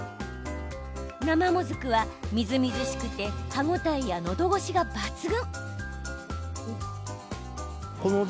生もずくは、みずみずしくて歯応えや、のどごしが抜群。